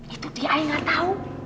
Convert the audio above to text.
itu di ayah gak tahu